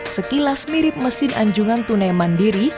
sekilas mirip mesin anjungan tunai mandiri